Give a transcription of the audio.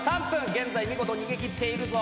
現在見事逃げ切っているぞ！